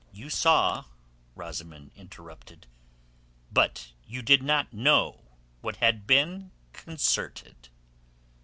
"You saw," Rosamund interrupted. "But you did not know what had been concerted."